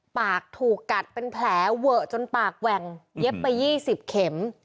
ปากถูกกัดเป็นแผลเวอะจนปากแหว่งเย็บไป๒๐เข็ม